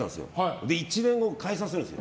そして、１年後解散するんです。